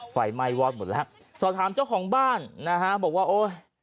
ไฟไหม้วอดหมดแล้วสอบถามเจ้าของบ้านนะฮะบอกว่าโอ๊ย